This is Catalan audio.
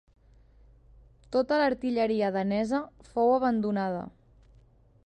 Tota l'artilleria danesa fou abandonada.